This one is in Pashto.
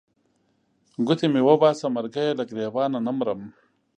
ګوتې مې وباسه مرګیه له ګرېوانه نه مرم.